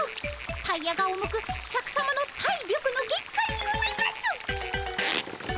タイヤが重くシャクさまの体力の限界にございます。